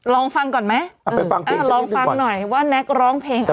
ลองฟังก่อนไหมเอาไปฟังเพลงลองฟังหน่อยว่าแน็กร้องเพลงอะไรอ่ะ